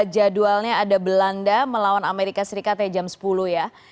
jadwalnya ada belanda melawan amerika serikat ya jam sepuluh ya